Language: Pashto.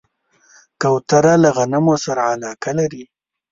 کوتره له غنمو سره علاقه لري.